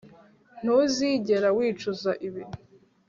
Ntuzigera wicuza ibi